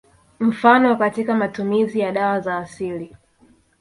Mfano katika matumizi ya dawa za asili